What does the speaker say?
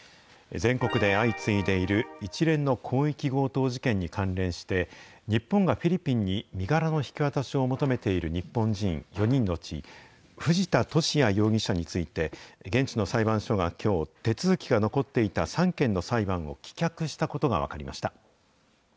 全国で相次いでいる一連の広域強盗事件に関連して、日本がフィリピンに身柄の引き渡しを求めている日本人４人のうち、藤田聖也容疑者について、現地の裁判所がきょう、手続きが残っていた３件の裁判を棄却したことが分かりました。